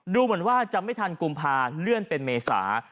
ดูเหมือนว่าจะไม่ทันกุมภาเลื่อนเป็นเมษา